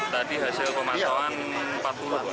tadi hasil pemantauan rp empat puluh